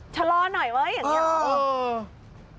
ชะลอหน่อยเว้ยอย่างนี้หรอ